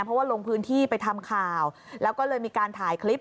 เพราะว่าลงพื้นที่ไปทำข่าวแล้วก็เลยมีการถ่ายคลิป